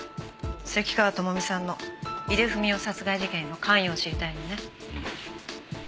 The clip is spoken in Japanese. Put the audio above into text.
関川朋美さんの井出文雄殺害事件への関与を知りたいのね？